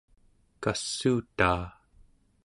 kassuutaa